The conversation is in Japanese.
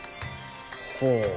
ほう。